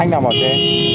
anh nào bảo che